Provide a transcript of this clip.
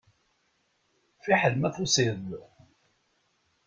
Fiḥel ma tusiḍ-d.